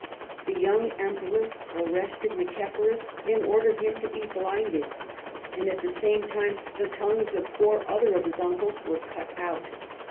The young em peror arrested Nicephorus and ordered him to be blinded ; and at the same time the tongues of four ether of his uncles were cut out (792).